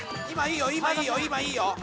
今いいよ。